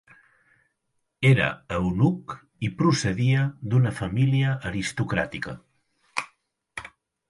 Era eunuc i procedia d'una família aristocràtica.